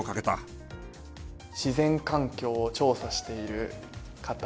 自然環境を調査している方